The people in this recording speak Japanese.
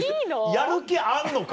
やる気あんのか？